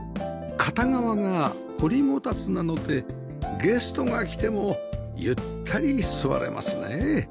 片側が掘りごたつなのでゲストが来てもゆったり座れますね